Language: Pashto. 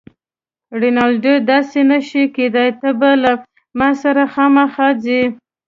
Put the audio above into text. رینالډي: داسې نه شي کیدای، ته به له ما سره خامخا ځې.